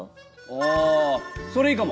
ああそれいいかも！